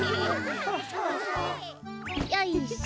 よいしょ！